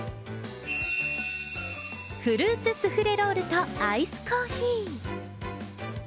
フルーツスフレロールとアイスコーヒー。